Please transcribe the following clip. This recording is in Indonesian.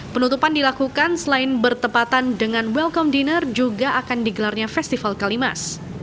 penutupan dilakukan selain bertepatan dengan welcome dinner juga akan digelarnya festival kalimas